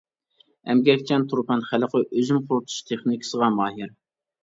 ئەمگەكچان تۇرپان خەلقى ئۈزۈم قۇرۇتۇش تېخنىكىسىغا ماھىر.